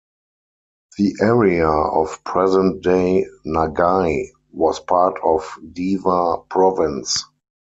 The area of present-day Nagai was part of Dewa Province.